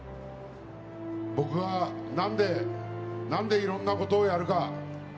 僕は何でいろんなことをやるか。